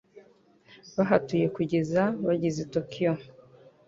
Bahatuye kugeza bageze i Tokiyo.